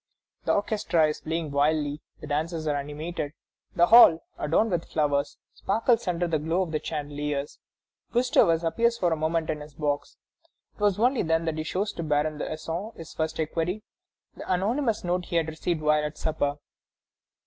The orchestra is playing wildly. The dances are animated. The hall, adorned with flowers, sparkles under the glow of the chandeliers. Gustavus appears for a moment in his box. It is only then that he shows to Baron d'Essen, his first equerry, the anonymous note he had received while at supper.